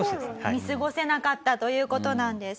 見過ごせなかったという事なんです。